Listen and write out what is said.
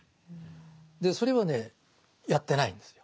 でそれはねやってないんですよ。